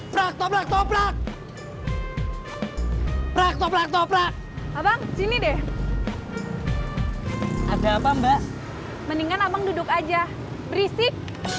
prak toprak toprak prak toprak toprak abang sini deh ada apa mbak mendingan abang duduk aja berisik